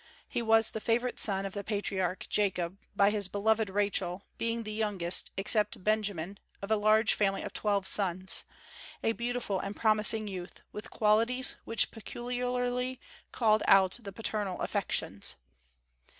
He was the favorite son of the patriarch Jacob, by his beloved Rachel, being the youngest, except Benjamin, of a large family of twelve sons, a beautiful and promising youth, with qualities which peculiarly called out the paternal affections.